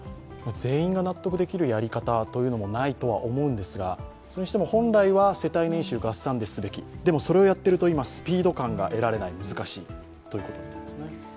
全員が納得できるやり方というのもないとは思うんですが、それにしても本来は世帯年収合算ですべきでもそれをやっているとスピード感が得られない、難しいということなんですね。